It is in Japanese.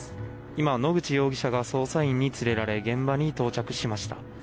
今、野口容疑者が捜査員に連れられ現場に到着しました。